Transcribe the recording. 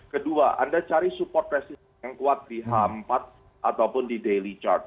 kedua anda cari support resis yang kuat di h empat ataupun di daily charge